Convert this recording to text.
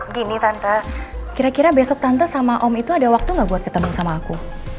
gini tante kira kira besok tante sama om itu ada waktu gak buat ketemu sama aku